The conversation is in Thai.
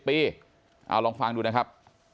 ปีเอาลองฟังดูนะครับ